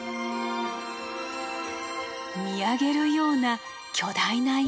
見上げるような巨大な岩の数々。